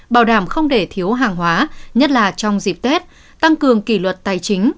bảo đảm không để thiếu hàng hóa nhất là trong dịp tết tăng cường kỷ luật tài chính